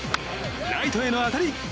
ライトへの当たり。